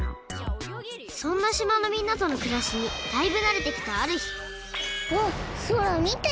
そんなしまのみんなとのくらしにだいぶなれてきたあるひわっそらみて！